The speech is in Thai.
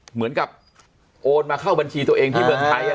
เหมือนกับโอนมาเข้าบัญชีตัวเองที่เมืองไทย